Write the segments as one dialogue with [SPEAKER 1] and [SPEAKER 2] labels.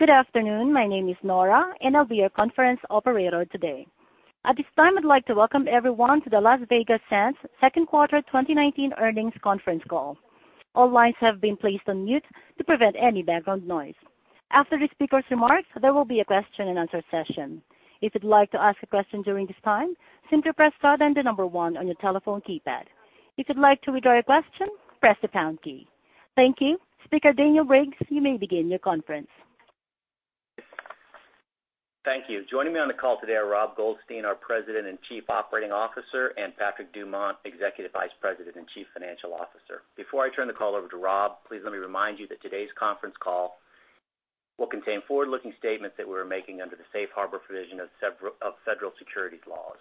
[SPEAKER 1] Good afternoon. My name is Nora, I'll be your conference operator today. At this time, I'd like to welcome everyone to The Las Vegas Sands Second Quarter 2019 Earnings Conference Call. All lines have been placed on mute to prevent any background noise. After the speaker's remarks, there will be a question and answer session. If you'd like to ask a question during this time, simply press star then the number 1 on your telephone keypad. If you'd like to withdraw your question, press the pound key. Thank you. Speaker Daniel Briggs, you may begin your conference.
[SPEAKER 2] Thank you. Joining me on the call today are Rob Goldstein, our President and Chief Operating Officer, and Patrick Dumont, Executive Vice President and Chief Financial Officer. Before I turn the call over to Rob, please let me remind you that today's conference call will contain forward-looking statements that we're making under the safe harbor provision of federal securities laws.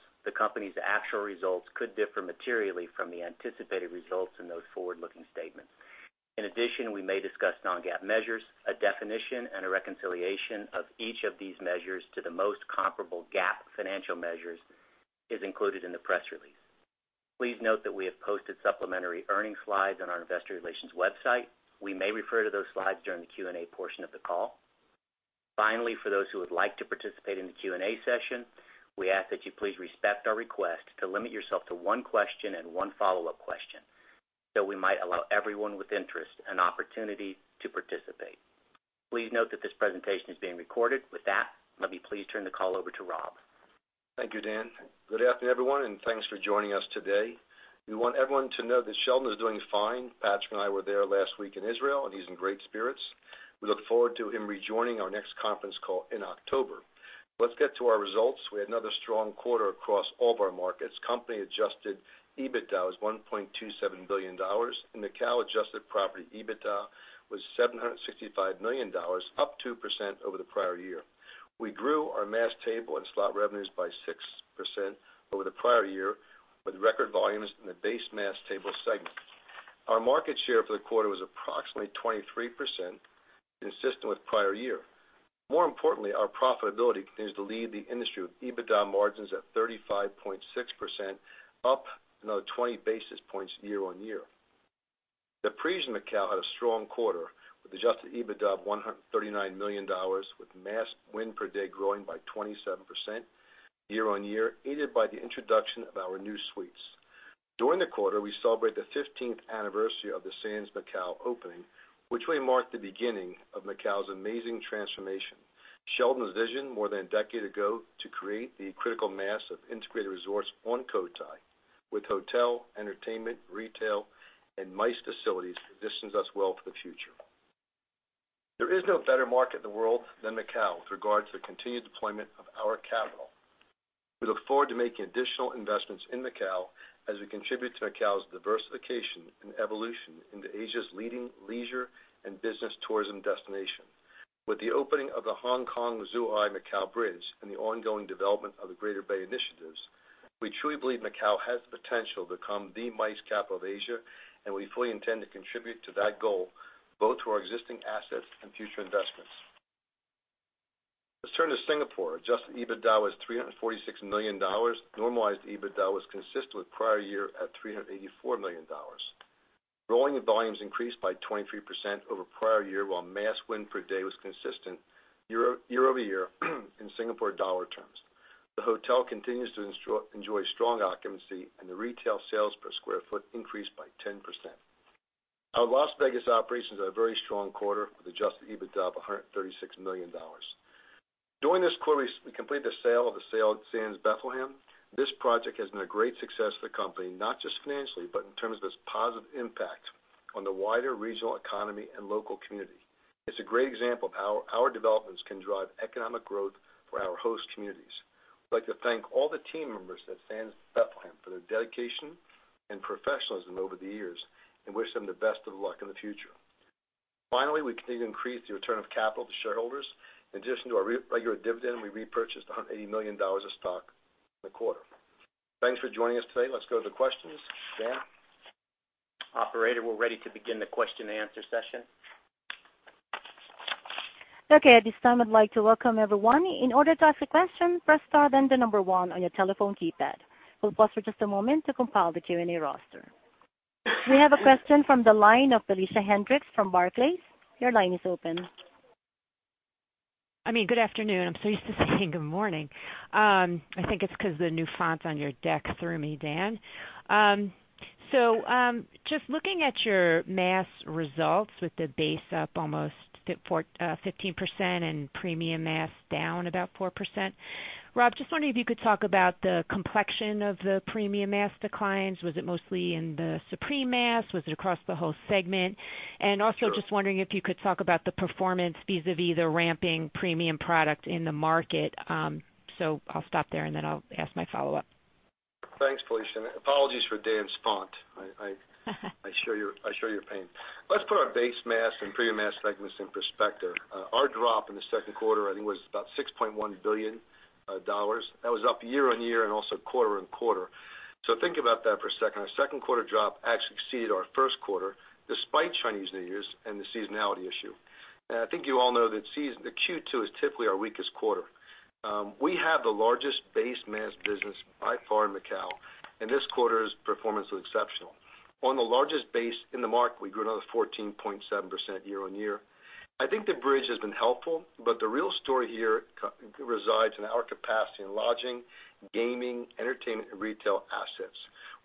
[SPEAKER 2] We may discuss non-GAAP measures. A definition and a reconciliation of each of these measures to the most comparable GAAP financial measures is included in the press release. Please note that we have posted supplementary earnings slides on our investor relations website. We may refer to those slides during the Q&A portion of the call. Finally, for those who would like to participate in the Q&A session, we ask that you please respect our request to limit yourself to one question and one follow-up question so we might allow everyone with interest an opportunity to participate. Please note that this presentation is being recorded. With that, let me please turn the call over to Rob.
[SPEAKER 3] Thank you, Dan. Good afternoon, everyone, and thanks for joining us today. We want everyone to know that Sheldon is doing fine. Patrick and I were there last week in Israel, and he's in great spirits. We look forward to him rejoining our next conference call in October. Let's get to our results. We had another strong quarter across all of our markets. Company-adjusted EBITDA was $1.27 billion. In Macao, adjusted property EBITDA was $765 million, up 2% over the prior year. We grew our mass table and slot revenues by 6% over the prior year with record volumes in the base mass table segment. Our market share for the quarter was approximately 23%, consistent with prior year. More importantly, our profitability continues to lead the industry with EBITDA margins at 35.6%, up another 20 basis points year-on-year. The Parisian Macao had a strong quarter with adjusted EBITDA of $139 million with mass win per day growing by 27% year-on-year, aided by the introduction of our new suites. During the quarter, we celebrate the 15th anniversary of the Sands Macao opening, which we mark the beginning of Macao's amazing transformation. Sheldon's vision more than a decade ago to create the critical mass of integrated resorts on Cotai with hotel, entertainment, retail, and MICE facilities positions us well for the future. There is no better market in the world than Macao with regard to the continued deployment of our capital. We look forward to making additional investments in Macao as we contribute to Macao's diversification and evolution into Asia's leading leisure and business tourism destination. With the opening of the Hong Kong-Zhuhai-Macao Bridge and the ongoing development of the Greater Bay initiatives, we truly believe Macao has the potential to become the MICE capital of Asia. We fully intend to contribute to that goal, both to our existing assets and future investments. Let's turn to Singapore. Adjusted EBITDA was $346 million. Normalized EBITDA was consistent with prior year at $384 million. Rolling volumes increased by 23% over prior year, while mass win per day was consistent year-over-year in Singapore dollar terms. The hotel continues to enjoy strong occupancy. The retail sales per square foot increased by 10%. Our Las Vegas operations had a very strong quarter with adjusted EBITDA of $136 million. During this quarter, we completed the sale of the Sands Bethlehem. This project has been a great success for the company, not just financially, but in terms of its positive impact on the wider regional economy and local community. It's a great example of how our developments can drive economic growth for our host communities. I'd like to thank all the team members at Sands Bethlehem for their dedication and professionalism over the years and wish them the best of luck in the future. Finally, we continue to increase the return of capital to shareholders. In addition to our regular dividend, we repurchased $180 million of stock in the quarter. Thanks for joining us today. Let's go to the questions. Dan.
[SPEAKER 2] Operator, we're ready to begin the question and answer session.
[SPEAKER 1] At this time, I'd like to welcome everyone. In order to ask a question, press star then the number 1 on your telephone keypad. We'll pause for just a moment to compile the Q&A roster. We have a question from the line of Felicia Hendrix from Barclays. Your line is open.
[SPEAKER 4] Good afternoon. I'm so used to saying good morning. I think it's because the new font on your deck threw me, Dan. Just looking at your mass results with the base mass up 15% and premium mass down 4%, Rob, just wondering if you could talk about the complexion of the premium mass declines. Was it mostly in the premium mass? Was it across the whole segment? Also just wondering if you could talk about the performance vis-a-vis the ramping premium mass in the market. I'll stop there, and then I'll ask my follow-up.
[SPEAKER 3] Thanks, Felicia, and apologies for Dan's font. I share your pain. Let's put our base mass and premium mass segments in perspective. Our drop in the second quarter, I think, was about $6.1 billion. That was up year-on-year and also quarter-on-quarter. Think about that for a second. Our second quarter drop actually exceeded our first quarter despite Chinese New Year's and the seasonality issue. I think you all know that Q2 is typically our weakest quarter. We have the largest base mass business by far in Macau, and this quarter's performance was exceptional. On the largest base in the market, we grew another 14.7% year-on-year. I think the bridge has been helpful, but the real story here resides in our capacity in lodging, gaming, entertainment, and retail assets.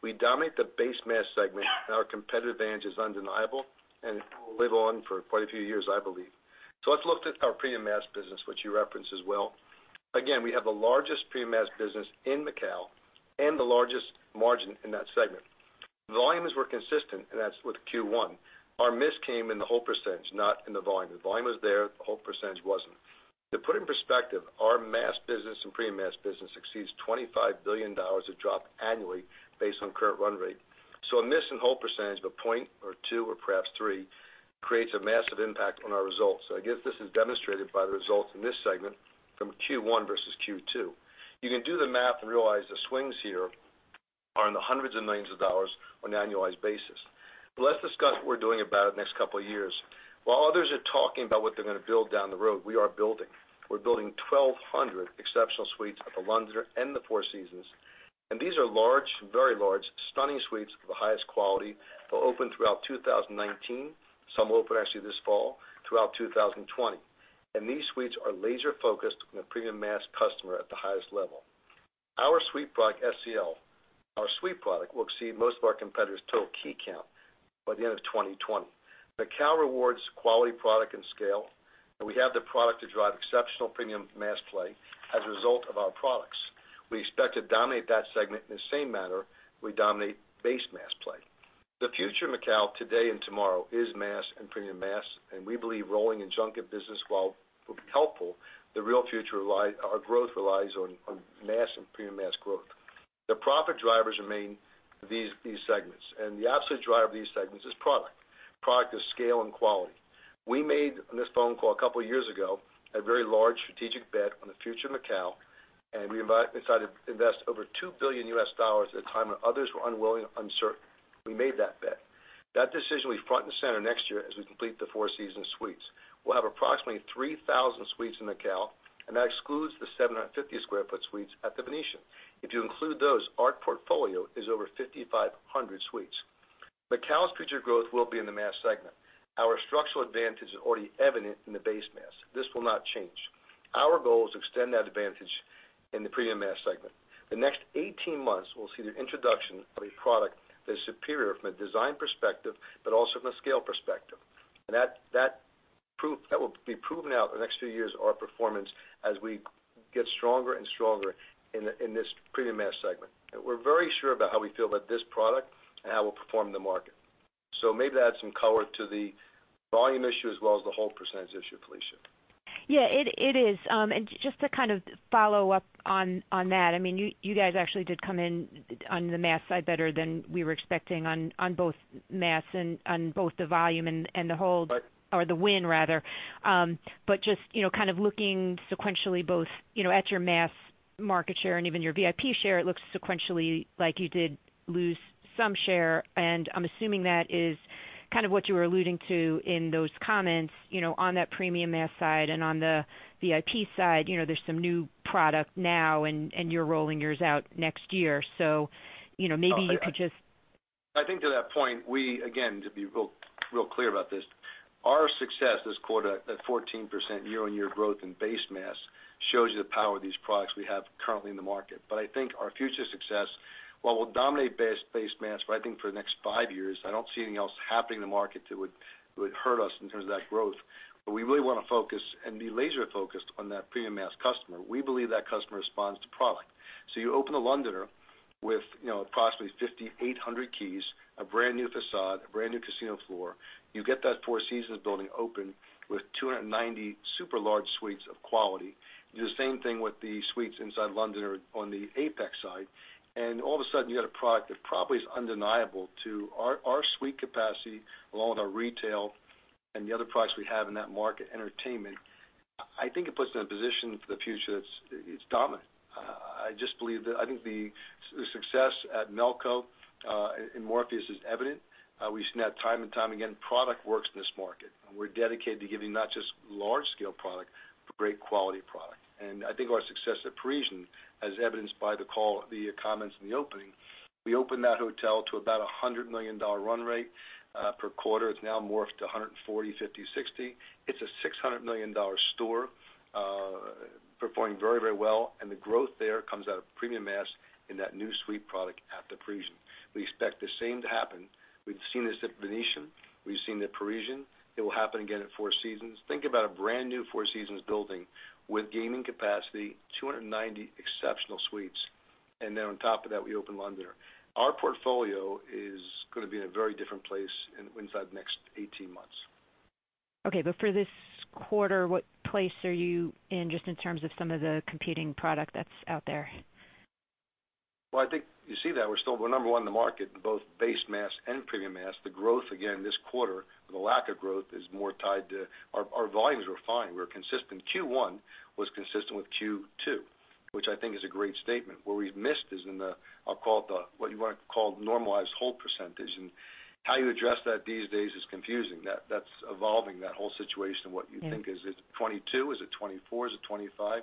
[SPEAKER 3] We dominate the base mass segment, and our competitive edge is undeniable, and it will live on for quite a few years, I believe. Let's look at our premium mass business, which you referenced as well. We have the largest premium mass business in Macau and the largest margin in that segment. Volumes were consistent, and that's with Q1. Our miss came in the hold percentage, not in the volume. The volume was there, the hold percentage wasn't. To put it in perspective, our mass business and premium mass business exceeds $25 billion of drop annually based on current run rate. A miss in hold percentage of a point or two or perhaps three creates a massive impact on our results. I guess this is demonstrated by the results in this segment from Q1 versus Q2. You can do the math and realize the swings here are in the $hundreds of millions on an annualized basis. Let's discuss what we're doing about it the next couple of years. While others are talking about what they're going to build down the road, we are building. We're building 1,200 exceptional suites at The Londoner and Four Seasons, and these are large, very large, stunning suites of the highest quality. They'll open throughout 2019. Some will open actually this fall throughout 2020. These suites are laser-focused on the premium mass customer at the highest level. Our suite product SCL. Our suite product will exceed most of our competitors' total key count by the end of 2020. Macau rewards quality product and scale, and we have the product to drive exceptional premium mass play as a result of our products. We expect to dominate that segment in the same manner we dominate base mass play. The future of Macau today and tomorrow is mass and premium mass. We believe rolling and junket business, while helpful, the real future, our growth relies on mass and premium mass growth. The profit drivers remain these segments, and the absolute driver of these segments is product. Product is scale and quality. We made, on this phone call a couple of years ago, a very large strategic bet on the future of Macau, and we decided to invest over $2 billion at a time when others were unwilling, uncertain. We made that bet. That decision will be front and center next year as we complete the Four Seasons suites. We'll have approximately 3,000 suites in Macau, and that excludes the 750 sq ft suites at the Venetian. If you include those, our portfolio is over 5,500 suites. Macau's future growth will be in the mass segment. Our structural advantage is already evident in the base mass. This will not change. Our goal is to extend that advantage in the premium mass segment. The next 18 months, we'll see the introduction of a product that is superior from a design perspective, but also from a scale perspective. That will be proven out in the next few years, our performance, as we get stronger and stronger in this premium mass segment. We're very sure about how we feel about this product and how it will perform in the market. Maybe that adds some color to the volume issue as well as the hold percentage issue, Felicia.
[SPEAKER 4] Yeah, it is. Just to follow up on that, you guys actually did come in on the mass side better than we were expecting on both mass and on both the volume and the hold or the win rather. Just looking sequentially both at your mass market share and even your VIP share, it looks sequentially like you did lose some share, and I'm assuming that is what you were alluding to in those comments, on that premium mass side and on the VIP side, there's some new product now, and you're rolling yours out next year. Maybe you could just-
[SPEAKER 3] I think to that point, we, again, to be real clear about this, our success this quarter at 14% year-on-year growth in base mass shows you the power of these products we have currently in the market. I think our future success, while we'll dominate base mass, I think for the next five years, I don't see anything else happening in the market that would hurt us in terms of that growth. We really want to focus and be laser-focused on that premium mass customer. We believe that customer responds to product. You open The Londoner with approximately 5,800 keys, a brand-new facade, a brand-new casino floor. You get that Four Seasons building open with 290 super large suites of quality. You do the same thing with the suites inside Londoner on the Apex side. All of a sudden, you got a product that probably is undeniable to our suite capacity, along with our retail, and the other products we have in that market, entertainment. I think it puts us in a position for the future that's dominant. I think the success at Melco in Morpheus is evident. We've seen that time and time again. Product works in this market. We're dedicated to giving not just large scale product, but great quality product. I think our success at Parisian, as evidenced by the call, the comments in the opening, we opened that hotel to about a $100 million run rate per quarter. It's now morphed to $140 million, $50 million, $60 million. It's a $600 million store, performing very well, and the growth there comes out of premium mass in that new suite product at the Parisian. We expect the same to happen. We've seen this at Venetian. We've seen it at Parisian. It will happen again at Four Seasons. Think about a brand-new Four Seasons building with gaming capacity, 290 exceptional suites, and then on top of that, we open The Londoner. Our portfolio is going to be in a very different place inside the next 18 months.
[SPEAKER 4] Okay, for this quarter, what place are you in, just in terms of some of the competing product that's out there?
[SPEAKER 3] Well, I think you see that. We're number 1 in the market in both base mass and premium mass. The growth, again, this quarter, the lack of growth is more tied to our volumes were fine. We're consistent. Q1 was consistent with Q2. I think is a great statement. Where we've missed is in the, I'll call it the, what you want to call normalized hold percentage. How you address that these days is confusing. That's evolving, that hold situation, what you think. Is it 22? Is it 24? Is it 25?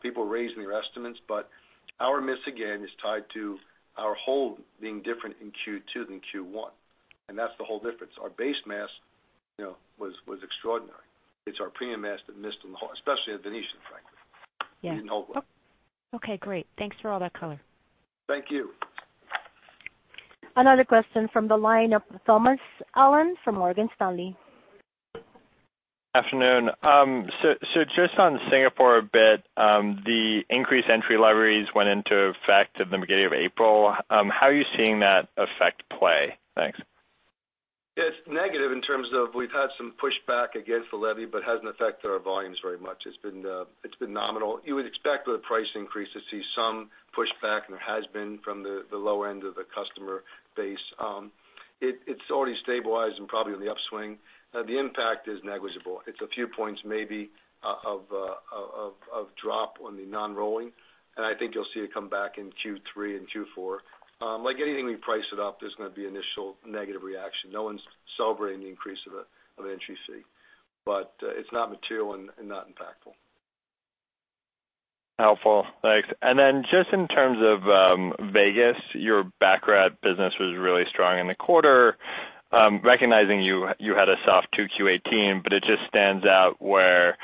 [SPEAKER 3] People are raising their estimates, our miss again is tied to our hold being different in Q2 than Q1, and that's the hold difference. Our base mass was extraordinary. It's our premium mass that missed on the hold, especially at Venetian, frankly.
[SPEAKER 4] Yes.
[SPEAKER 3] We didn't hold well.
[SPEAKER 4] Okay, great. Thanks for all that color.
[SPEAKER 3] Thank you.
[SPEAKER 1] Another question from the line of Thomas Allen from Morgan Stanley.
[SPEAKER 5] Afternoon. Just on Singapore a bit, the increased entry levies went into effect at the beginning of April. How are you seeing that effect play? Thanks.
[SPEAKER 3] It's negative in terms of we've had some pushback against the levy, but it hasn't affected our volumes very much. It's been nominal. You would expect with a price increase to see some pushback, and there has been from the low end of the customer base. It's already stabilized and probably on the upswing. The impact is negligible. It's a few points maybe of drop on the non-rolling, and I think you'll see it come back in Q3 and Q4. Like anything we price it up, there's going to be initial negative reaction. No one's celebrating the increase of an entry fee. It's not material and not impactful.
[SPEAKER 5] Helpful. Thanks. Then just in terms of Vegas, your baccarat business was really strong in the quarter, recognizing you had a soft 2Q 2018, but it just stands out where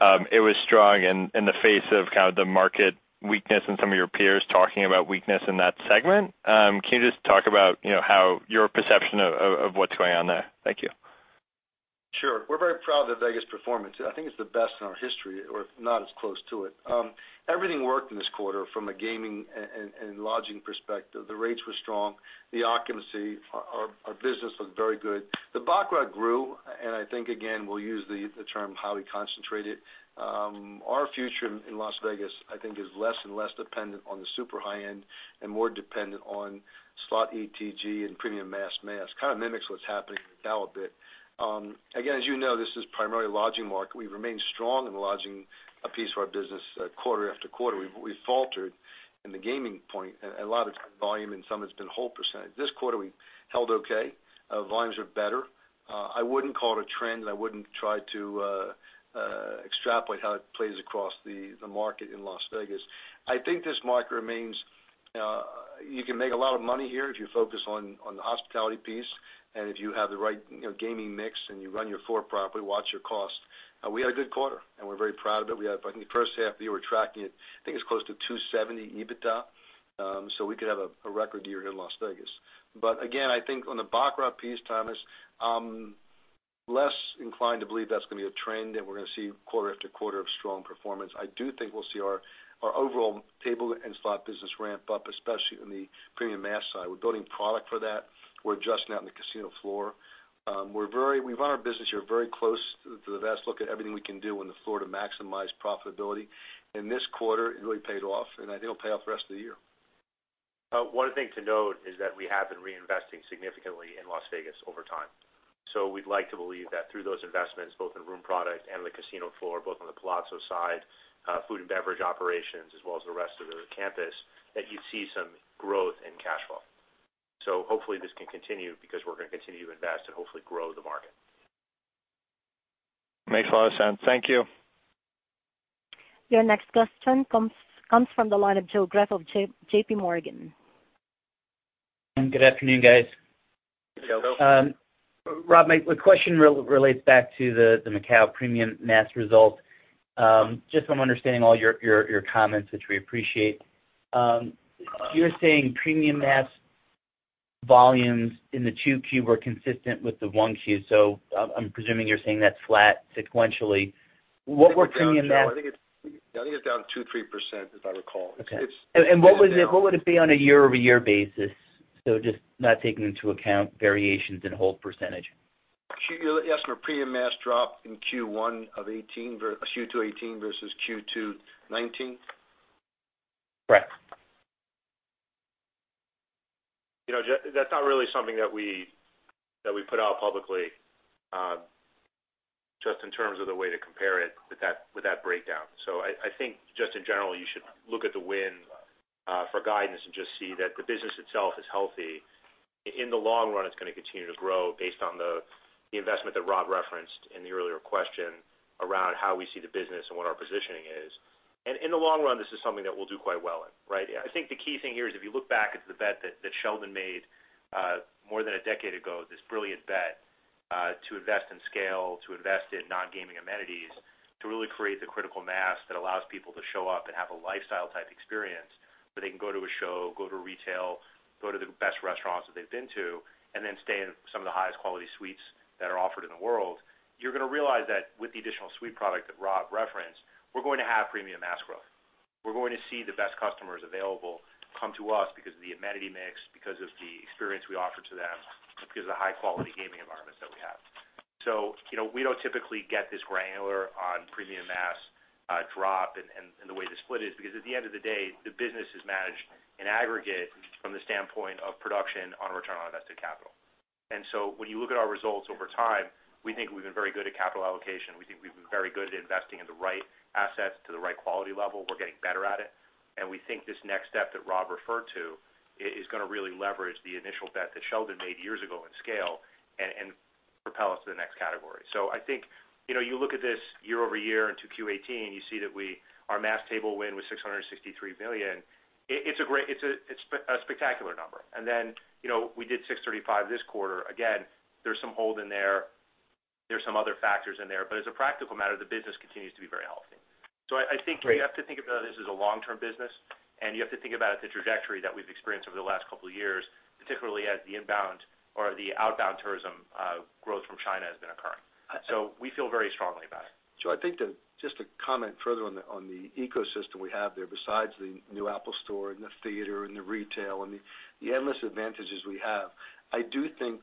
[SPEAKER 5] it was strong in the face of kind of the market weakness and some of your peers talking about weakness in that segment. Can you just talk about your perception of what's going on there? Thank you.
[SPEAKER 3] Sure. We're very proud of the Vegas performance. I think it's the best in our history, or if not, it's close to it. Everything worked in this quarter from a gaming and lodging perspective. The rates were strong, the occupancy, our business was very good. The baccarat grew, and I think, again, we'll use the term highly concentrated. Our future in Las Vegas, I think, is less and less dependent on the super high-end and more dependent on slot ETG and premium mass, kind of mimics what's happening with Macao a bit. Again, as you know, this is primarily a lodging market. We remain strong in the lodging piece of our business quarter after quarter. We've faltered in the gaming point, a lot of it's been volume and some of it's been hold percentage. This quarter, we held okay. Volumes are better. I wouldn't call it a trend, and I wouldn't try to extrapolate how it plays across the market in Las Vegas. I think this market remains. You can make a lot of money here if you focus on the hospitality piece, and if you have the right gaming mix, and you run your floor properly, watch your cost. We had a good quarter, and we're very proud of it. I think the first half of the year, we're tracking it. I think it's close to $270 EBITDA, so we could have a record year here in Las Vegas. Again, I think on the baccarat piece, Thomas, I'm less inclined to believe that's going to be a trend that we're going to see quarter after quarter of strong performance. I do think we'll see our overall table and slot business ramp up, especially on the premium mass side. We're building product for that. We're adjusting that on the casino floor. We run our business here very close to the vest, look at everything we can do on the floor to maximize profitability. In this quarter, it really paid off, and I think it'll pay off the rest of the year.
[SPEAKER 6] One thing to note is that we have been reinvesting significantly in Las Vegas over time. We'd like to believe that through those investments, both in room product and the casino floor, both on the Palazzo side, food and beverage operations, as well as the rest of the campus, that you'd see some growth in cash flow. Hopefully this can continue because we're going to continue to invest and hopefully grow the market.
[SPEAKER 5] Makes a lot of sense. Thank you.
[SPEAKER 1] Your next question comes from the line of Joe Greff of J.P. Morgan.
[SPEAKER 7] Good afternoon, guys.
[SPEAKER 3] Hey, Joe.
[SPEAKER 6] Joe.
[SPEAKER 7] Rob, my question relates back to the Macao premium mass results. Just so I'm understanding all your comments, which we appreciate. You're saying premium mass volumes in the 2Q were consistent with the 1Q. I'm presuming you're saying that's flat sequentially. What were premium mass-
[SPEAKER 3] I think it's down, Joe. I think it's down 2%, 3%, if I recall.
[SPEAKER 7] Okay.
[SPEAKER 3] It's been down.
[SPEAKER 7] What would it be on a year-over-year basis? Just not taking into account variations in hold percentage.
[SPEAKER 3] You're asking for premium mass drop in Q2 2018 versus Q2 2019?
[SPEAKER 7] Right.
[SPEAKER 6] That's not really something that we put out publicly, just in terms of the way to compare it with that breakdown. I think just in general, you should look at the win for guidance and just see that the business itself is healthy. In the long run, it's going to continue to grow based on the investment that Rob referenced in the earlier question around how we see the business and what our positioning is. In the long run, this is something that we'll do quite well in, right? I think the key thing here is if you look back at the bet that Sheldon made more than a decade ago, this brilliant bet to invest in scale, to invest in non-gaming amenities, to really create the critical mass that allows people to show up and have a lifestyle type experience, where they can go to a show, go to retail, go to the best restaurants that they've been to, and then stay in some of the highest quality suites that are offered in the world. You're going to realize that with the additional suite product that Rob referenced, we're going to have premium mass growth. We're going to see the best customers available come to us because of the amenity mix, because of the experience we offer to them, and because of the high-quality gaming environments that we have. We don't typically get this granular on premium mass drop and the way the split is, because at the end of the day, the business is managed in aggregate from the standpoint of production on a return on invested capital. When you look at our results over time, we think we've been very good at capital allocation. We think we've been very good at investing in the right assets to the right quality level. We're getting better at it. We think this next step that Rob referred to is going to really leverage the initial bet that Sheldon made years ago in scale and propel us to the next category. I think, you look at this year-over-year into Q18, you see that our mass table win was $663 million. It's a spectacular number. We did $635 this quarter. There's some hold in there. There's some other factors in there, but as a practical matter, the business continues to be very healthy.
[SPEAKER 3] Great.
[SPEAKER 6] I think you have to think about this as a long-term business, and you have to think about the trajectory that we've experienced over the last couple of years, particularly as the inbound or the outbound tourism growth from China has been occurring. We feel very strongly about it.
[SPEAKER 3] I think just to comment further on the ecosystem we have there, besides the new Apple store and the theater and the retail and the endless advantages we have, I do think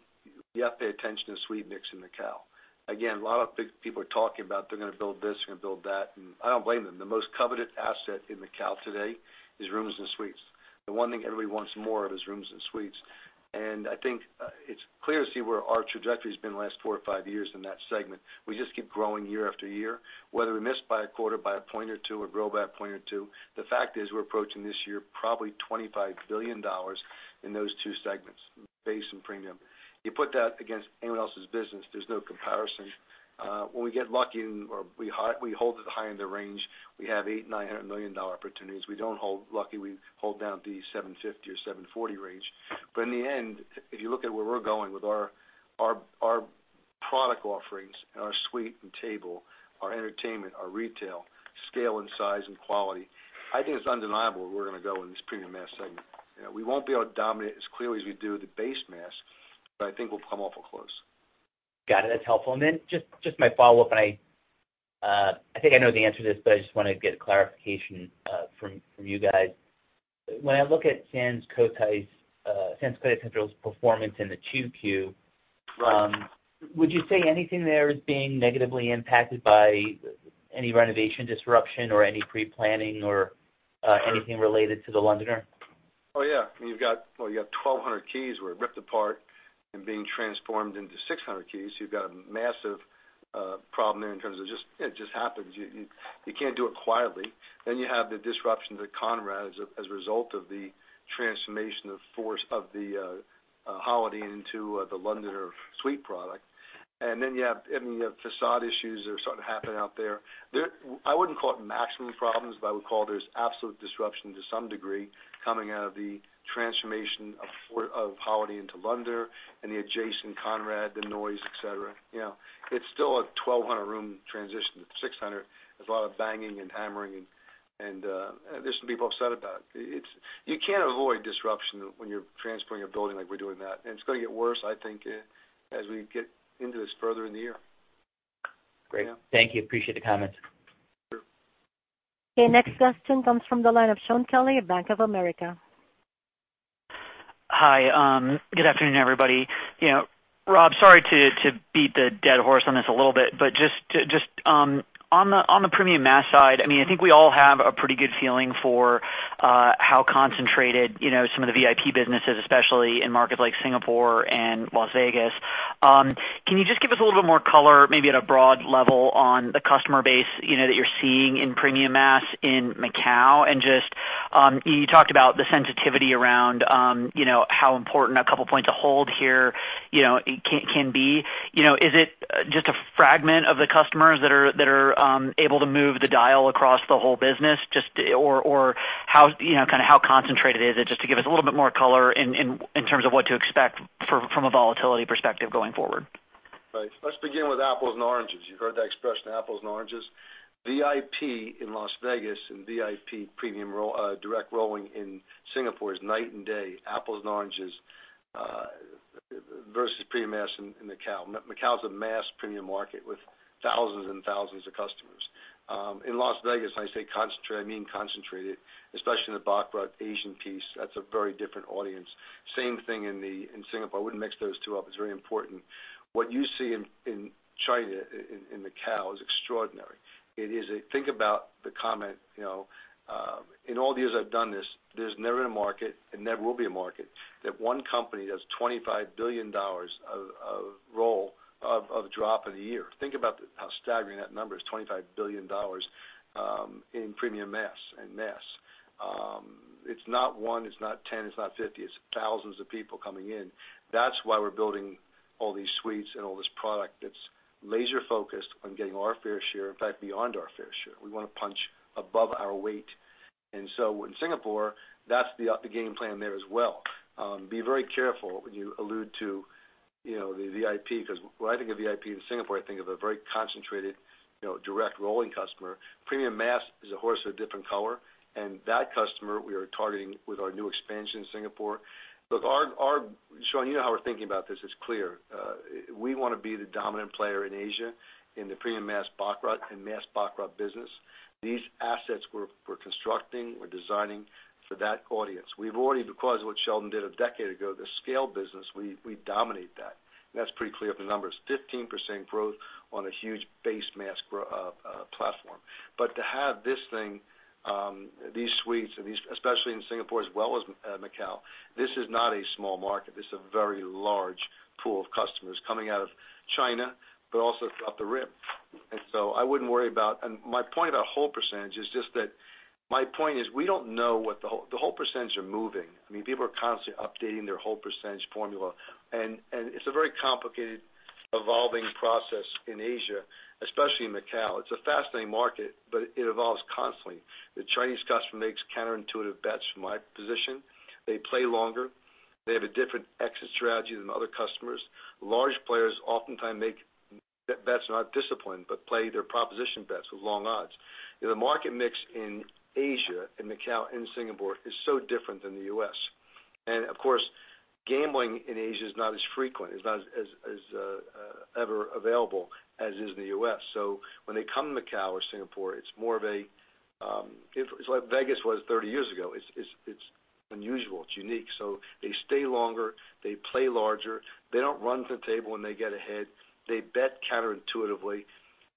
[SPEAKER 3] you have to pay attention to suite mix in Macau. A lot of people are talking about they're going to build this, they're going to build that, and I don't blame them. The most coveted asset in Macau today is rooms and suites. The one thing everybody wants more of is rooms and suites. I think it's clear to see where our trajectory has been the last four or five years in that segment. We just keep growing year after year, whether we miss by a quarter by a point or two, or grow back a point or two, the fact is we're approaching this year probably $25 billion in those two segments, base and premium. You put that against anyone else's business, there's no comparison. When we get lucky or we hold at the high end of range, we have $800, $900 million opportunities. We don't hold lucky, we hold down the 750 or 740 range. In the end, if you look at where we're going with our product offerings and our suite and table, our entertainment, our retail, scale and size and quality, I think it's undeniable where we're going to go in this premium mass segment. We won't be able to dominate as clearly as we do the base mass, I think we'll come awful close.
[SPEAKER 7] Got it. That's helpful. Just my follow-up, and I think I know the answer to this, but I just want to get clarification from you guys. When I look at Sands Cotai Central's performance in the 2Q, would you say anything there is being negatively impacted by any renovation disruption or any pre-planning or anything related to The Londoner?
[SPEAKER 3] Oh, yeah. You've got 1,200 keys were ripped apart and being transformed into 600 keys. You have the disruption to the Conrad as a result of the transformation of the Holiday Inn into The Londoner suite product. You have facade issues that are starting to happen out there. I wouldn't call it maximum problems, but I would call there's absolute disruption to some degree coming out of the transformation of Holiday Inn to The Londoner and the adjacent Conrad, the noise, et cetera. It's still a 1,200-room transition to 600. There's a lot of banging and hammering, and there's some people upset about it. You can't avoid disruption when you're transferring a building like we're doing that. It's going to get worse, I think, as we get into this further in the year.
[SPEAKER 7] Great. Thank you. Appreciate the comments.
[SPEAKER 3] Sure.
[SPEAKER 1] Okay, next question comes from the line of Shaun Kelley of Bank of America.
[SPEAKER 8] Hi. Good afternoon, everybody. Rob, sorry to beat the dead horse on this a little bit, but just on the premium mass side, I think we all have a pretty good feeling for how concentrated some of the VIP businesses, especially in markets like Singapore and Las Vegas. Can you just give us a little bit more color, maybe at a broad level on the customer base that you're seeing in premium mass in Macau? You talked about the sensitivity around how important a couple points of hold here can be. Is it just a fragment of the customers that are able to move the dial across the whole business? How concentrated is it, just to give us a little bit more color in terms of what to expect from a volatility perspective going forward?
[SPEAKER 3] Right. Let's begin with apples and oranges. You've heard that expression, apples and oranges. VIP in Las Vegas and VIP premium direct rolling in Singapore is night and day, apples and oranges, versus premium mass in Macau. Macau is a mass premium market with thousands and thousands of customers. In Las Vegas, when I say concentrated, I mean concentrated, especially in the baccarat Asian piece. That's a very different audience. Same thing in Singapore. I wouldn't mix those two up. It's very important. What you see in China, in Macau, is extraordinary. Think about the comment, in all the years I've done this, there's never been a market and never will be a market that one company does $25 billion of roll of drop in a year. Think about how staggering that number is, $25 billion in premium mass and mass. It's not one, it's not 10, it's not 50. It's thousands of people coming in. That's why we're building all these suites and all this product that's laser focused on getting our fair share, in fact, beyond our fair share. We want to punch above our weight. In Singapore, that's the game plan there as well. Be very careful when you allude to the VIP because when I think of VIP in Singapore, I think of a very concentrated direct rolling customer. premium mass is a horse of a different color, and that customer we are targeting with our new expansion in Singapore. Look, Shaun, you know how we're thinking about this. It's clear. We want to be the dominant player in Asia in the premium mass baccarat and mass baccarat business. These assets we're constructing, we're designing for that audience. We've already, because what Sheldon did a decade ago, the scale business, we dominate that. That's pretty clear with the numbers, 15% growth on a huge base mass platform. To have this thing, these suites, especially in Singapore as well as Macau, this is not a small market. This is a very large pool of customers coming out of China, but also up the rim. So my point about hold percentage is just that my point is we don't know what the hold percentage are moving. People are constantly updating their hold percentage formula. It's a very complicated, evolving process in Asia, especially in Macau. It's a fascinating market, but it evolves constantly. The Chinese customer makes counterintuitive bets from my position. They play longer. They have a different exit strategy than other customers. Large players oftentimes make bets that are not disciplined, but play their proposition bets with long odds. The market mix in Asia, in Macau, in Singapore is so different than the U.S. Of course, gambling in Asia is not as frequent, it's not as ever available as is the U.S. When they come to Macau or Singapore, it's what Vegas was 30 years ago. It's unusual. It's unique. They stay longer, they play larger. They don't run to the table when they get ahead. They bet counterintuitively.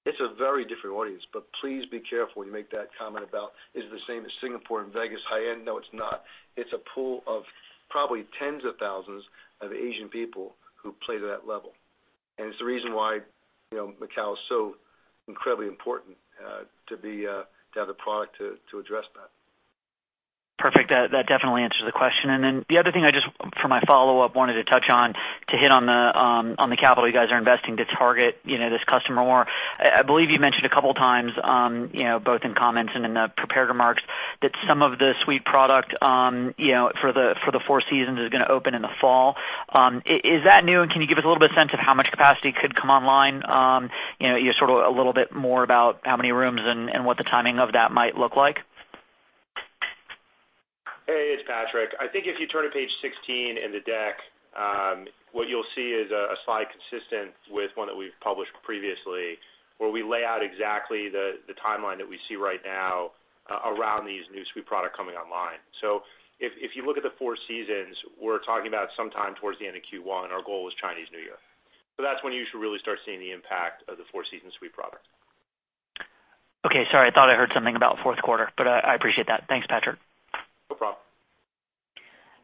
[SPEAKER 3] It's a very different audience. Please be careful when you make that comment about, is it the same as Singapore and Vegas high-end? No, it's not. It's a pool of probably tens of thousands of Asian people who play to that level. It's the reason why Macau is so incredibly important to have the product to address that.
[SPEAKER 8] Perfect. That definitely answers the question. The other thing I just, for my follow-up, wanted to touch on, to hit on the capital you guys are investing to target this customer more. I believe you mentioned a couple of times, both in comments and in the prepared remarks, that some of the suite product for the Four Seasons is going to open in the fall. Is that new, and can you give us a little bit of sense of how much capacity could come online? Sort of a little bit more about how many rooms and what the timing of that might look like.
[SPEAKER 6] Hey, it's Patrick. I think if you turn to page 16 in the deck, what you'll see is a slide consistent with one that we've published previously, where we lay out exactly the timeline that we see right now around these new suite product coming online. If you look at the Four Seasons, we're talking about sometime towards the end of Q1. Our goal is Chinese New Year. That's when you should really start seeing the impact of the Four Seasons suite product.
[SPEAKER 8] Okay, sorry, I thought I heard something about fourth quarter, but I appreciate that. Thanks, Patrick.
[SPEAKER 6] No problem.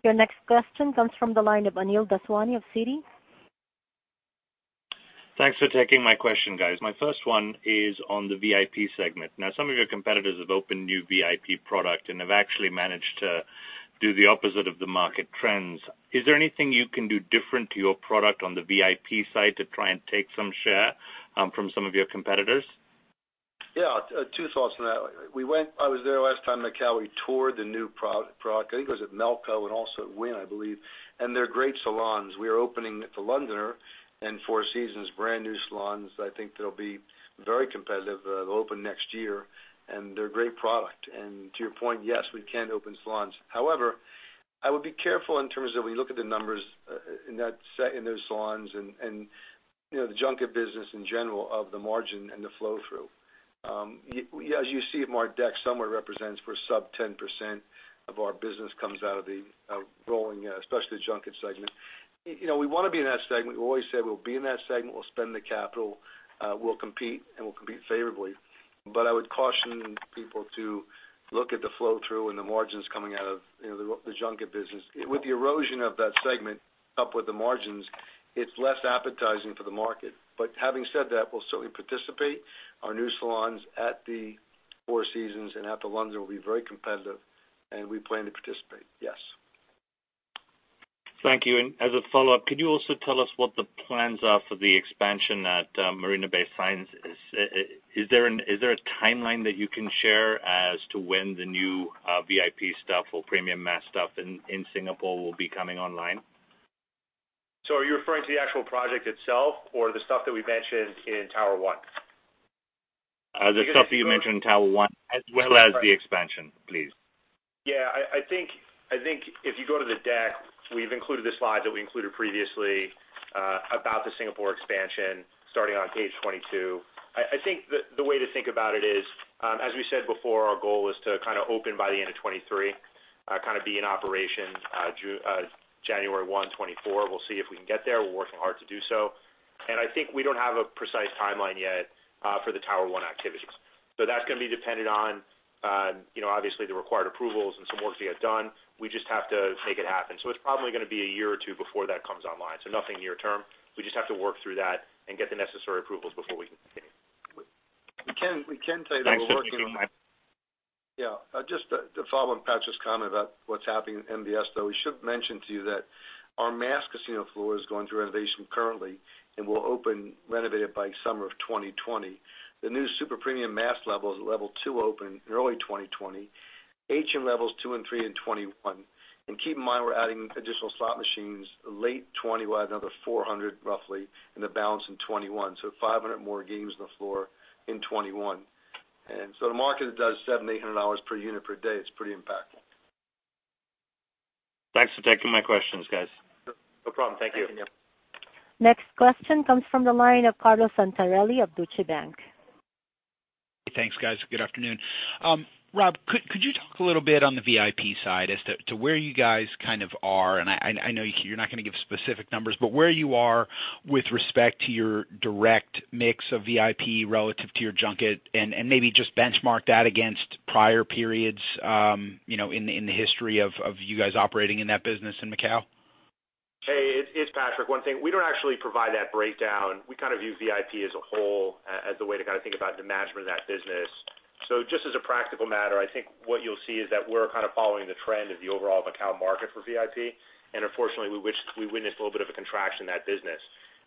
[SPEAKER 1] Your next question comes from the line of Anil Daswani of Citi.
[SPEAKER 9] Thanks for taking my question, guys. My first one is on the VIP segment. Some of your competitors have opened new VIP product and have actually managed to do the opposite of the market trends. Is there anything you can do different to your product on the VIP side to try and take some share from some of your competitors?
[SPEAKER 3] Yeah, two thoughts on that. I was there last time in Macau. We toured the new product. I think it was at Melco and also at Wynn, I believe. They're great salons. We are opening at The Londoner and Four Seasons, brand-new salons that I think that'll be very competitive. They'll open next year, they're a great product. However, I would be careful in terms of when you look at the numbers in those salons and the junket business in general of the margin and the flow-through. As you see in our deck, somewhere represents we're sub 10% of our business comes out of rolling, especially the junket segment. We want to be in that segment. We've always said we'll be in that segment, we'll spend the capital, we'll compete, we'll compete favorably. I would caution people to look at the flow-through and the margins coming out of the junket business. With the erosion of that segment up with the margins, it's less appetizing for the market. Having said that, we'll certainly participate. Our new salons at the Four Seasons and at The Londoner will be very competitive, and we plan to participate, yes.
[SPEAKER 9] Thank you. As a follow-up, can you also tell us what the plans are for the expansion at Marina Bay Sands? Is there a timeline that you can share as to when the new VIP stuff or premium mass stuff in Singapore will be coming online?
[SPEAKER 6] Are you referring to the actual project itself or the stuff that we mentioned in Tower One?
[SPEAKER 9] The stuff that you mentioned in Tower 1 as well as the expansion, please.
[SPEAKER 6] Yeah. I think if you go to the deck, we've included the slide that we included previously about the Singapore expansion starting on page 22. I think the way to think about it is, as we said before, our goal was to kind of open by the end of 2023, kind of be in operation January 1, 2024. We'll see if we can get there. We're working hard to do so. I think we don't have a precise timeline yet for the Tower One activities. That's going to be dependent on obviously the required approvals and some work to get done. We just have to make it happen. It's probably going to be a year or two before that comes online. Nothing near-term. We just have to work through that and get the necessary approvals before we can continue.
[SPEAKER 3] We can tell you that we're working-
[SPEAKER 9] Thanks for taking my-
[SPEAKER 3] Yeah. Just to follow on Patrick's comment about what's happening in Marina Bay Sands, though, we should mention to you that our mass casino floor is going through renovation currently and will open renovated by summer of 2020. The new super premium mass level is a level 2 open in early 2020. Phase in levels 2 and 3 in 2021. Keep in mind, we're adding additional slot machines late 2020. We'll add another 400, roughly, and the balance in 2021. 500 more games on the floor in 2021. The market does $700, $800 per unit per day. It's pretty impactful.
[SPEAKER 9] Thanks for taking my questions, guys.
[SPEAKER 6] No problem. Thank you.
[SPEAKER 3] Thank you, Anil.
[SPEAKER 1] Next question comes from the line of Carlo Santarelli of Deutsche Bank.
[SPEAKER 10] Thanks, guys. Good afternoon. Rob, could you talk a little bit on the VIP side as to where you guys kind of are, and I know you're not going to give specific numbers, but where you are with respect to your direct mix of VIP relative to your junket, and maybe just benchmark that against prior periods in the history of you guys operating in that business in Macau?
[SPEAKER 6] Hey, it's Patrick. One thing, we don't actually provide that breakdown. We view VIP as a whole, as the way to think about the management of that business. Just as a practical matter, I think what you'll see is that we're following the trend of the overall Macau market for VIP, and unfortunately, we witnessed a little bit of a contraction in that business.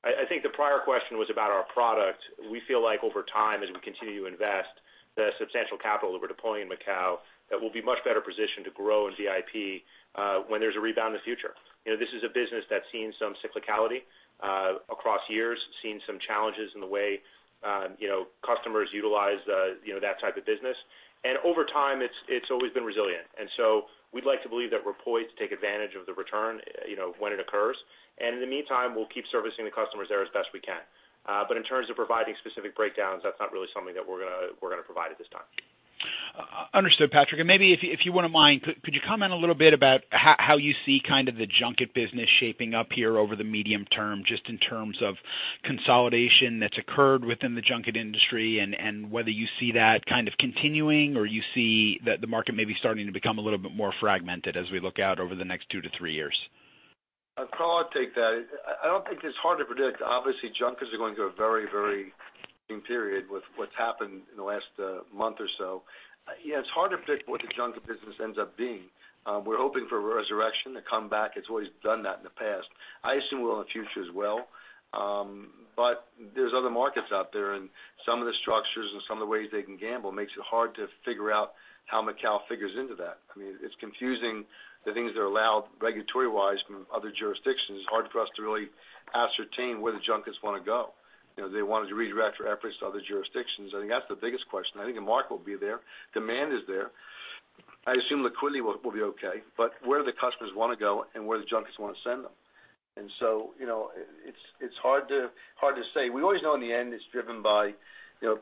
[SPEAKER 6] I think the prior question was about our product. We feel like over time, as we continue to invest the substantial capital that we're deploying in Macau, that we'll be much better positioned to grow in VIP, when there's a rebound in the future. This is a business that's seen some cyclicality, across years, seen some challenges in the way customers utilize that type of business. Over time, it's always been resilient. We'd like to believe that we're poised to take advantage of the return, when it occurs. In the meantime, we'll keep servicing the customers there as best we can. In terms of providing specific breakdowns, that's not really something that we're going to provide at this time.
[SPEAKER 10] Understood, Patrick. Maybe if you wouldn't mind, could you comment a little bit about how you see the junket business shaping up here over the medium term, just in terms of consolidation that's occurred within the junket industry, and whether you see that continuing, or you see that the market may be starting to become a little bit more fragmented as we look out over the next 2-3 years?
[SPEAKER 3] Carlo, I'll take that. I don't think it's hard to predict. Obviously, junkets are going through a very, very interesting period with what's happened in the last month or so. Yeah, it's hard to predict what the junket business ends up being. We're hoping for a resurrection, a comeback. It's always done that in the past. I assume it will in the future as well. There's other markets out there, and some of the structures and some of the ways they can gamble makes it hard to figure out how Macau figures into that. It's confusing the things that are allowed regulatory-wise from other jurisdictions. It's hard for us to really ascertain where the junkets want to go. They wanted to redirect their efforts to other jurisdictions. I think that's the biggest question. I think the market will be there. Demand is there. I assume liquidity will be okay. Where the customers want to go and where the junkets want to send them. It's hard to say. We always know in the end it's driven by,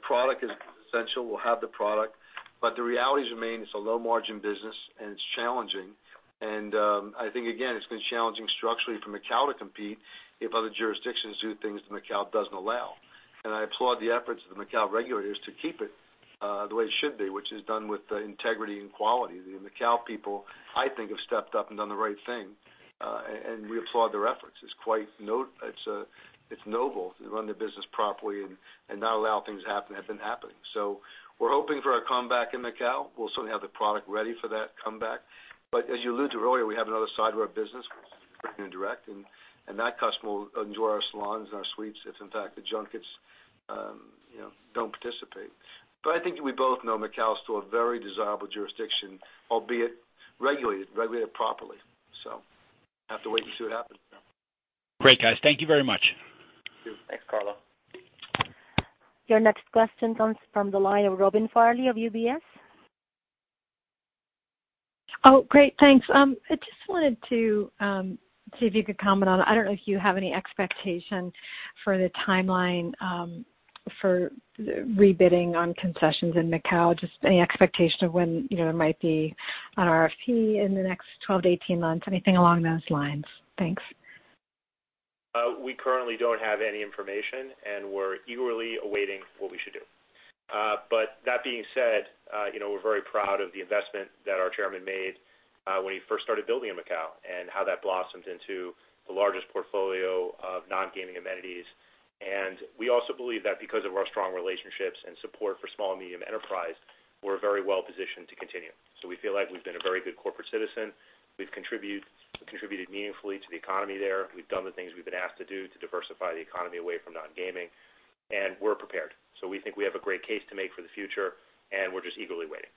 [SPEAKER 3] product is essential. We'll have the product, the realities remain. It's a low margin business, it's challenging. I think, again, it's been challenging structurally for Macau to compete if other jurisdictions do things that Macau doesn't allow. I applaud the efforts of the Macau regulators to keep it, the way it should be, which is done with integrity and quality. The Macau people, I think, have stepped up and done the right thing. We applaud their efforts. It's noble to run the business properly and not allow things to happen that have been happening. We're hoping for a comeback in Macau. We'll certainly have the product ready for that comeback. As you alluded to earlier, we have another side of our business, direct and indirect, and that customer will enjoy our salons and our suites if, in fact, the junkets don't participate. I think we both know Macau is still a very desirable jurisdiction, albeit regulated properly. Have to wait and see what happens.
[SPEAKER 10] Great, guys. Thank you very much.
[SPEAKER 6] Thank you.
[SPEAKER 3] Thanks, Carlo.
[SPEAKER 1] Your next question comes from the line of Robin Farley of UBS.
[SPEAKER 11] Oh, great, thanks. I just wanted to see if you could comment on, I don't know if you have any expectation for the timeline, for rebidding on concessions in Macau, just any expectation of when there might be an RFP in the next 12-18 months, anything along those lines. Thanks.
[SPEAKER 6] We currently don't have any information, and we're eagerly awaiting what we should do. That being said, we're very proud of the investment that our chairman made when he first started building in Macau and how that blossomed into the largest portfolio of non-gaming amenities. We also believe that because of our strong relationships and support for small and medium enterprise, we're very well-positioned to continue. We feel like we've been a very good corporate citizen. We've contributed meaningfully to the economy there. We've done the things we've been asked to do to diversify the economy away from non-gaming, and we're prepared. We think we have a great case to make for the future, and we're just eagerly waiting.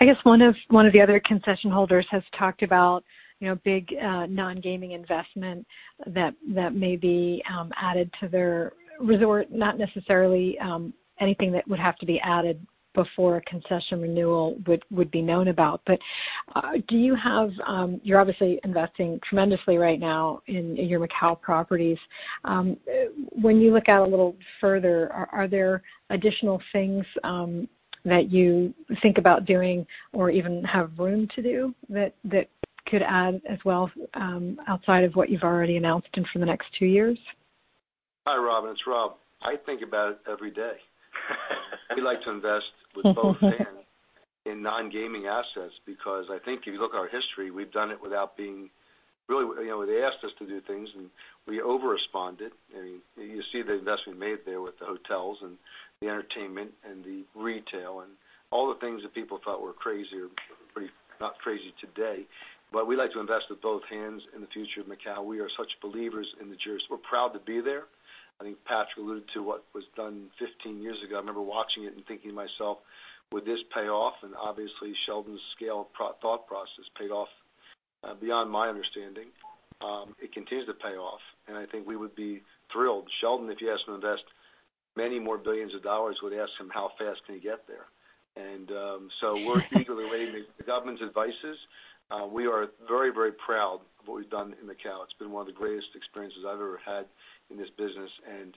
[SPEAKER 11] I guess one of the other concession holders has talked about big non-gaming investment that may be added to their resort, not necessarily anything that would have to be added before a concession renewal would be known about. You're obviously investing tremendously right now in your Macau properties. When you look out a little further, are there additional things that you think about doing or even have room to do that could add as well, outside of what you've already announced and for the next two years?
[SPEAKER 3] Hi, Robin, it's Rob. I think about it every day. We like to invest with both hands in non-gaming assets because I think if you look at our history, we've done it without being. They asked us to do things, and we over-responded. You see the investment made there with the hotels and the entertainment and the retail and all the things that people thought were crazy are pretty not crazy today. We like to invest with both hands in the future of Macau. We are such believers in the juris. We're proud to be there. I think Patrick alluded to what was done 15 years ago. I remember watching it and thinking to myself, "Would this pay off?" Obviously Sheldon's scale thought process paid off beyond my understanding. It continues to pay off, and I think we would be thrilled. Sheldon, if you asked him to invest many more billions of dollars, would ask him how fast can you get there. We're eagerly awaiting the government's advices. We are very proud of what we've done in Macau. It's been one of the greatest experiences I've ever had in this business, and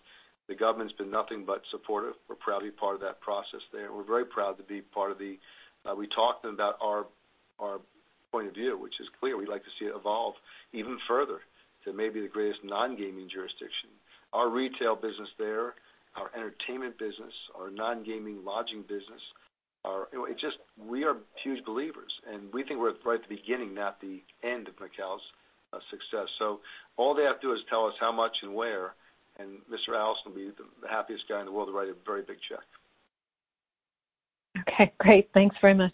[SPEAKER 3] the government's been nothing but supportive. We're proudly part of that process there, and we're very proud to be. We talked about our point of view, which is clear. We'd like to see it evolve even further to maybe the greatest non-gaming jurisdiction. Our retail business there, our entertainment business, our non-gaming lodging business. We are huge believers, and we think we're right at the beginning, not the end of Macau's success. All they have to do is tell us how much and where, and Mr. Adelson will be the happiest guy in the world to write a very big check.
[SPEAKER 11] Okay, great. Thanks very much.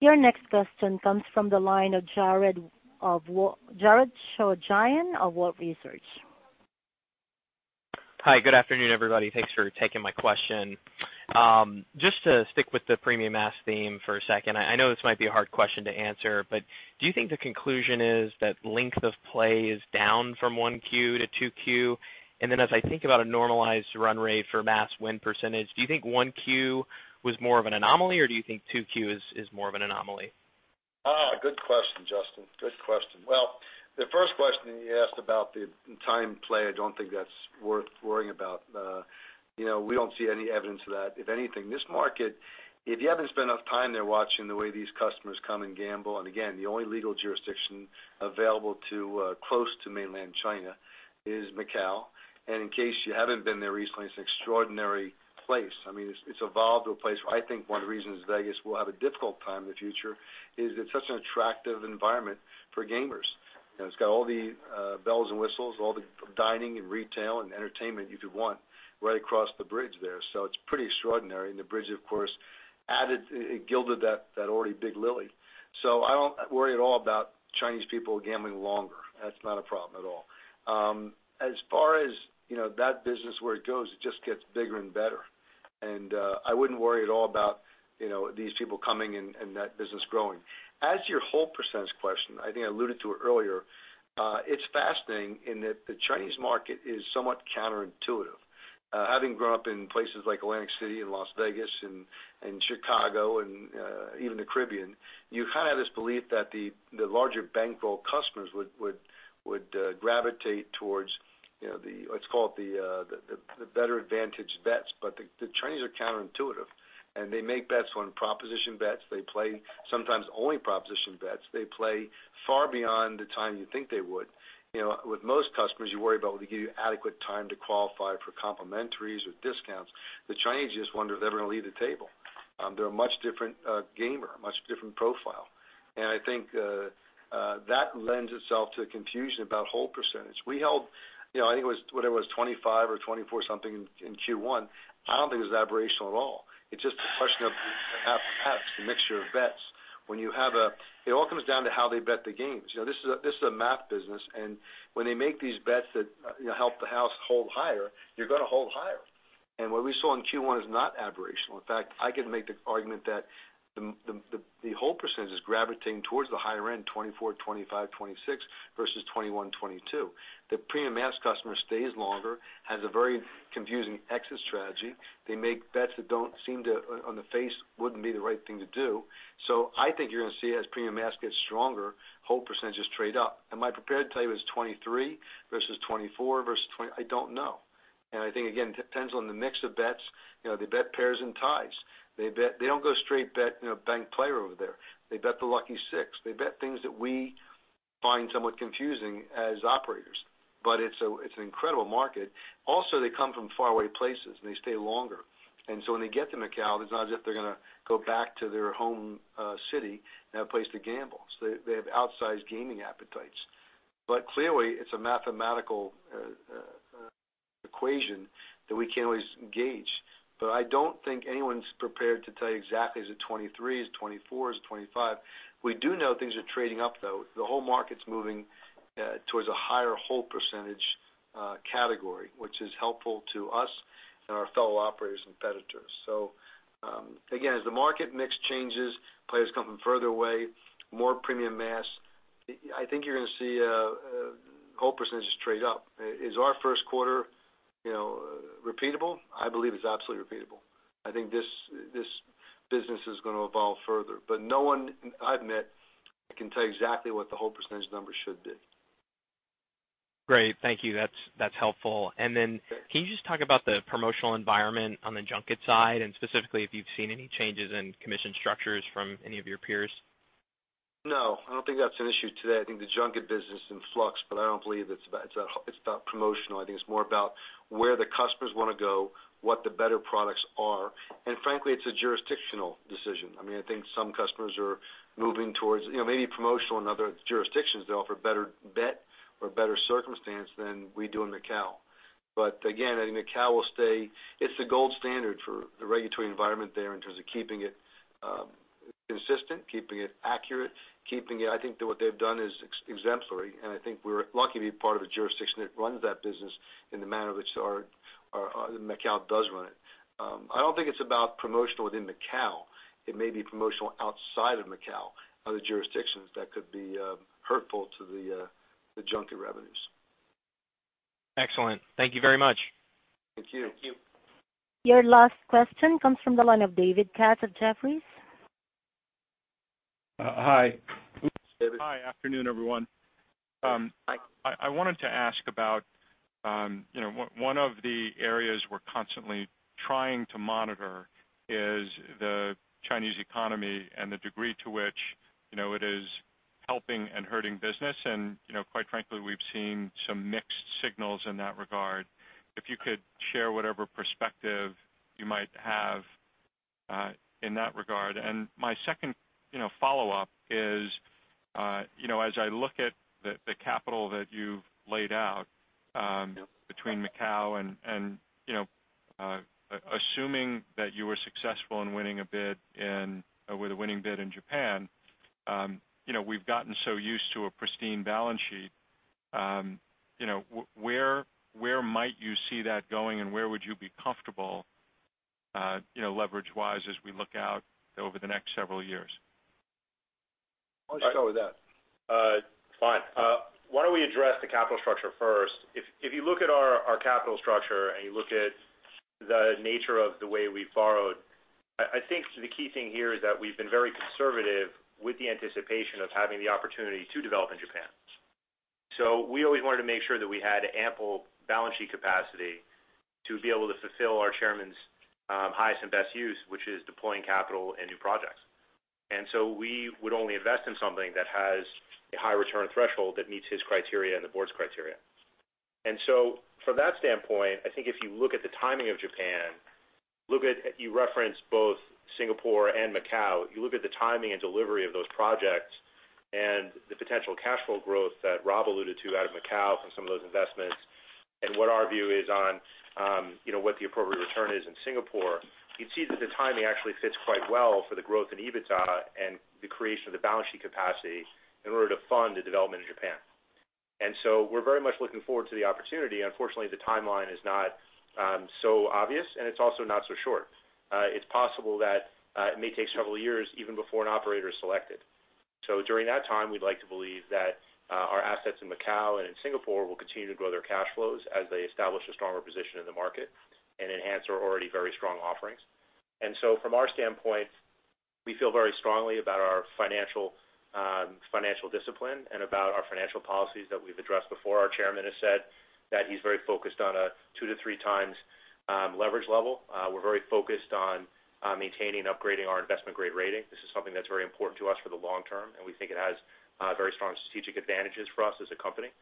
[SPEAKER 1] Your next question comes from the line of Jared Shojaian of Wolfe Research.
[SPEAKER 12] Hi, good afternoon, everybody. Thanks for taking my question. Just to stick with the premium mass theme for a second, I know this might be a hard question to answer, but do you think the conclusion is that length of play is down from 1Q to 2Q? Then as I think about a normalized run rate for mass win percentage, do you think 1Q was more of an anomaly, or do you think 2Q is more of an anomaly?
[SPEAKER 3] Good question, Justin. Good question. The first question you asked about the time play, I don't think that's worth worrying about. We don't see any evidence of that. If anything, this market, if you haven't spent enough time there watching the way these customers come and gamble, and again, the only legal jurisdiction available close to mainland China is Macau. In case you haven't been there recently, it's an extraordinary place. It's evolved to a place where I think one of the reasons Vegas will have a difficult time in the future is it's such an attractive environment for gamers. It's got all the bells and whistles, all the dining and retail, and entertainment you could want right across the bridge there. It's pretty extraordinary, and the bridge, of course, added, it gilded that already big lily. I don't worry at all about Chinese people gambling longer. That's not a problem at all. As far as that business where it goes, it just gets bigger and better. I wouldn't worry at all about these people coming and that business growing. As to your hold percentage question, I think I alluded to it earlier. It's fascinating in that the Chinese market is somewhat counterintuitive. Having grown up in places like Atlantic City and Las Vegas and Chicago, and even the Caribbean, you kind of have this belief that the larger bankroll customers would gravitate towards, let's call it the better advantage bets. The Chinese are counterintuitive, and they make bets on proposition bets. They play sometimes only proposition bets. They play far beyond the time you think they would. With most customers, you worry about, will they give you adequate time to qualify for complementaries or discounts? The Chinese, you just wonder if they're ever going to leave the table. They're a much different gamer, much different profile. I think that lends itself to confusion about hold percentage. We held, I think it was, whatever it was, 25 or 24 something in Q1. I don't think it was aberrational at all. It's just a question of the mix of bets. It all comes down to how they bet the games. This is a math business, and when they make these bets that help the house hold higher, you're going to hold higher. What we saw in Q1 is not aberrational. In fact, I can make the argument that the hold percentage is gravitating towards the higher end, 24, 25, 26 versus 21, 22. The premium mass customer stays longer, has a very confusing exit strategy. They make bets that don't seem to, on the face, wouldn't be the right thing to do. I think you're going to see as premium mass gets stronger, hold percentages trade up. Am I prepared to tell you it's 23 versus 24 versus 20? I don't know. I think, again, it depends on the mix of bets. They bet pairs and ties. They don't go straight bank player over there. They bet the Lucky Six. They bet things that we find somewhat confusing as operators, but it's an incredible market. They come from faraway places, and they stay longer. When they get to Macau, it's not as if they're going to go back to their home city and have a place to gamble. They have outsized gaming appetites. Clearly, it's a mathematical equation that we can't always gauge. I don't think anyone's prepared to tell you exactly, is it 23, is it 24, is it 25? We do know things are trading up, though. The whole market's moving towards a higher hold percentage category, which is helpful to us and our fellow operators and competitors. Again, as the market mix changes, players come from further away, more premium mass. I think you're going to see hold percentages trade up. Is our first quarter repeatable? I believe it's absolutely repeatable. I think this business is going to evolve further, but no one I've met can tell you exactly what the hold percentage number should be.
[SPEAKER 12] Great. Thank you. That's helpful. Then can you just talk about the promotional environment on the junket side, and specifically, if you've seen any changes in commission structures from any of your peers?
[SPEAKER 3] No, I don't think that's an issue today. I think the junket business is in flux, but I don't believe it's about promotional. I think it's more about where the customers want to go, what the better products are, and frankly, it's a jurisdictional decision. I think some customers are moving towards maybe promotional in other jurisdictions. They offer a better bet or a better circumstance than we do in Macau. Again, I think Macau will stay. It's the gold standard for the regulatory environment there in terms of keeping it consistent, keeping it accurate. I think that what they've done is exemplary, and I think we're lucky to be part of a jurisdiction that runs that business in the manner in which Macau does run it. I don't think it's about promotional within Macau. It may be promotional outside of Macau, other jurisdictions that could be hurtful to the junket revenues.
[SPEAKER 12] Excellent. Thank you very much.
[SPEAKER 3] Thank you.
[SPEAKER 1] Your last question comes from the line of David Katz of Jefferies.
[SPEAKER 13] Hi.
[SPEAKER 3] David.
[SPEAKER 13] Hi. Afternoon, everyone.
[SPEAKER 3] Hi.
[SPEAKER 13] I wanted to ask about one of the areas we're constantly trying to monitor is the Chinese economy and the degree to which it is helping and hurting business and, quite frankly, we've seen some mixed signals in that regard. If you could share whatever perspective you might have in that regard. My second follow-up is, as I look at the capital that you've laid out between Macau and assuming that you were successful in winning a bid, with a winning bid in Japan. We've gotten so used to a pristine balance sheet. Where might you see that going, and where would you be comfortable leverage-wise as we look out over the next several years?
[SPEAKER 3] Why don't you start with that?
[SPEAKER 6] Fine. Why don't we address the capital structure first? If you look at our capital structure and you look at the nature of the way we've borrowed, I think the key thing here is that we've been very conservative with the anticipation of having the opportunity to develop in Japan. We always wanted to make sure that we had ample balance sheet capacity to be able to fulfill our Chairman's highest and best use, which is deploying capital in new projects. We would only invest in something that has a high return threshold that meets his criteria and the board's criteria. From that standpoint, I think if you look at the timing of Japan, you referenced both Singapore and Macau, you look at the timing and delivery of those projects and the potential cash flow growth that Rob alluded to out of Macau from some of those investments and what our view is on what the appropriate return is in Singapore, you'd see that the timing actually fits quite well for the growth in EBITDA and the creation of the balance sheet capacity in order to fund the development in Japan. We're very much looking forward to the opportunity. Unfortunately, the timeline is not so obvious, and it's also not so short. It's possible that it may take several years even before an operator is selected. During that time, we'd like to believe that our assets in Macau and in Singapore will continue to grow their cash flows as they establish a stronger position in the market and enhance our already very strong offerings. From our standpoint, we feel very strongly about our financial discipline and about our financial policies that we've addressed before. Our Chairman has said that he's very focused on a 2-3 times leverage level. We're very focused on maintaining, upgrading our investment-grade rating. This is something that's very important to us for the long term, and we think it has very strong strategic advantages for us as a company.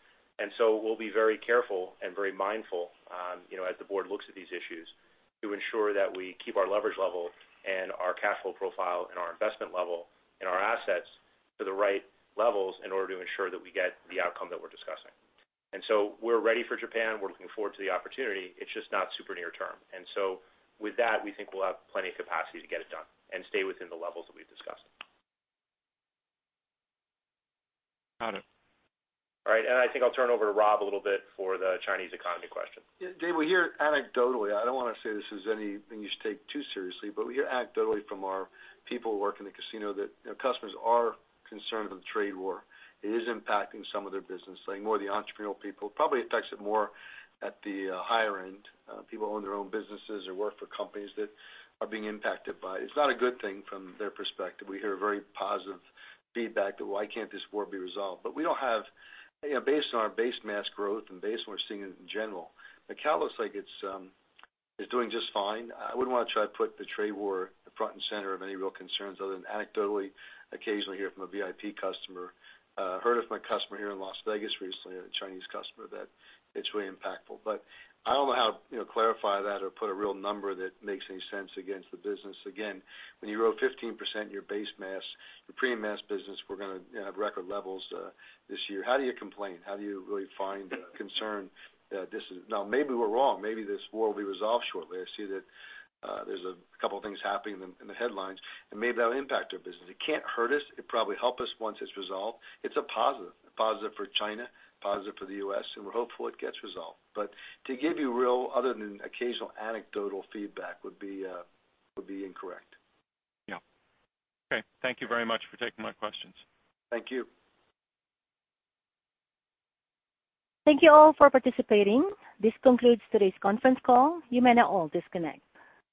[SPEAKER 6] We'll be very careful and very mindful as the board looks at these issues to ensure that we keep our leverage level and our cash flow profile and our investment level and our assets to the right levels in order to ensure that we get the outcome that we're discussing. We're ready for Japan. We're looking forward to the opportunity. It's just not super near term. With that, we think we'll have plenty of capacity to get it done and stay within the levels that we've discussed.
[SPEAKER 13] Got it.
[SPEAKER 6] All right. I think I'll turn over to Rob a little bit for the Chinese economy question.
[SPEAKER 3] Dave, we hear anecdotally, I don't want to say this is anything you should take too seriously, but we hear anecdotally from our people who work in the casino that customers are concerned with the trade war. It is impacting some of their business, like more the entrepreneurial people. Probably affects it more at the higher end. People own their own businesses or work for companies that are being impacted by it. It's not a good thing from their perspective. We hear a very positive feedback that why can't this war be resolved. Based on our base mass growth and based on what we're seeing in general, Macau looks like it's doing just fine. I wouldn't want to try to put the trade war front and center of any real concerns other than anecdotally occasionally hear from a VIP customer. Heard of my customer here in Las Vegas recently, a Chinese customer, that it's really impactful. I don't know how to clarify that or put a real number that makes any sense against the business. Again, when you grow 15% in your base mass, your premium mass business, we're going to have record levels this year. How do you complain? How do you really find concern that this is. Maybe we're wrong. Maybe this war will be resolved shortly. I see that there's a couple things happening in the headlines, and maybe that'll impact our business. It can't hurt us. It probably help us once it's resolved. It's a positive. A positive for China, a positive for the U.S. We're hopeful it gets resolved. To give you real, other than occasional anecdotal feedback would be incorrect.
[SPEAKER 13] Yeah. Okay. Thank you very much for taking my questions.
[SPEAKER 3] Thank you.
[SPEAKER 1] Thank you all for participating. This concludes today's conference call. You may now all disconnect.